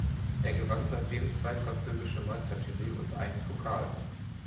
Er gewann seitdem zwei französische Meistertitel und einen Pokal.